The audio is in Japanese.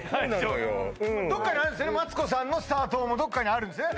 うんマツコさんのスター棟もどっかにあるんですね